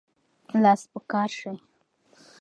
لاس په کار شئ.